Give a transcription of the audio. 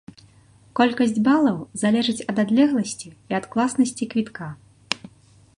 Колькасць балаў залежыць ад адлегласці і ад класнасці квітка.